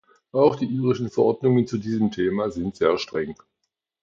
Auch die irischen Verordnungen zu diesem Thema sind sehr streng.